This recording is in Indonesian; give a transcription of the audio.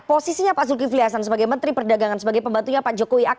posisinya pak zulkifli hasan sebagai menteri perdagangan sebagai pembantunya pak jokowi